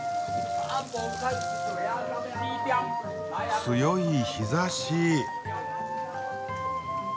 強い日ざし！